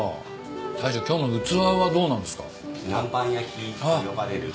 大将今日の器はどうなんですか？